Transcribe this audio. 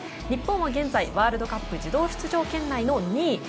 日本は現在ワールドカップ自動出場圏内の２位。